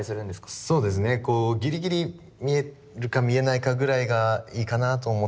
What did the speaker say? ギリギリ見えるか見えないかぐらいがいいかなと思ってて。